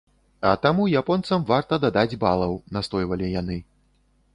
А таму японцам варта дадаць балаў, настойвалі яны.